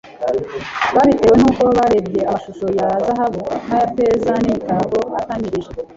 babitewe n'uko barebye amashusho ya zahabu n'aya feza n'imitako atamirije